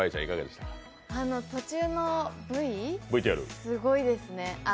途中のＶ、すごいですね。